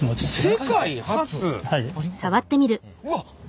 うわっ！